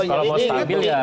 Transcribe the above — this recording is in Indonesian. kalau mau stabil ya